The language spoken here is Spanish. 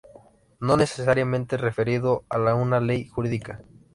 No necesariamente referido a una ley jurídica.